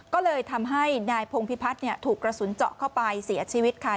ก็เลยทำให้นายพงพิพัฒน์ถูกกระสุนเจาะเข้าไปเสียชีวิตค่ะ